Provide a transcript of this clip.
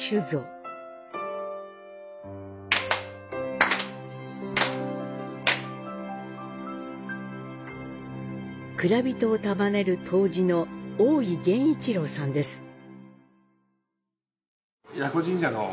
蔵人を束ねる杜氏の大井源一郎さんです。